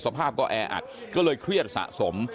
สภาพก็แออัดก็เลยเครียดสะสม